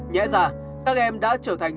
nhẽ ra các em đã trở thành